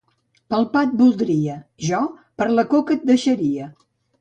—Pel pa et voldria. —Jo per la coca et deixaria.